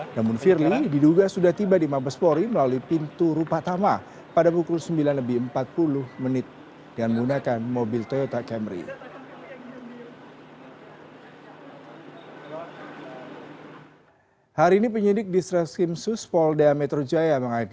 namun firly diduga sudah tiba di mabespori melalui pintu rupa tama pada pukul sembilan lebih empat puluh menit dengan menggunakan mobil toyota camry